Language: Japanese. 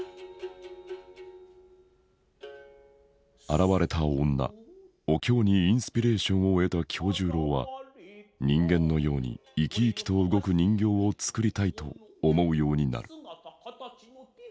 現れた女お京にインスピレーションを得た今日十郎は人間のように生き生きと動く人形を作りたいと思うようになる。